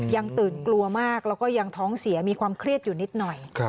ยังตื่นกลัวมากแล้วก็ยังท้องเสียมีความเครียดอยู่นิดหน่อย